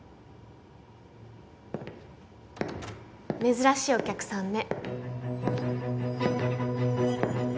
珍しいお客さんね。